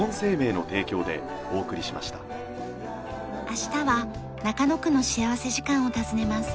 明日は中野区の幸福時間を訪ねます。